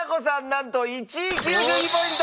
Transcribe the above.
なんと１位９２ポイント！